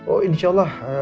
oh insya allah